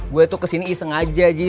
gue tuh kesini iseng aja sih